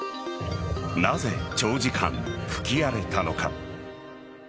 なぜ、長時間吹き荒れたのか。